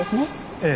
ええ。